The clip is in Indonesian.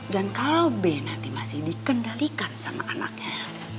dan kalau bi nanti masih dikendalikan sama anaknya